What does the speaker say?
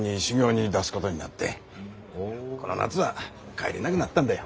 この夏は帰れなぐなったんだよ。